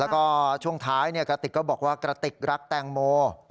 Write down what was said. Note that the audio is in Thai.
แล้วก็ช่วงท้ายกระติกก็บอกว่ากระติกรักแตงโม